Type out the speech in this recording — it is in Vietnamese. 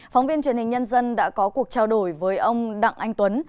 phóng viên truyền hình nhân dân đã có cuộc trao đổi với ông đặng anh tuấn